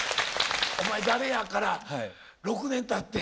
「お前誰や？」から６年たって。